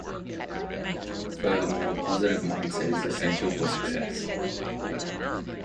Furthermore, a positive mindset is essential for success.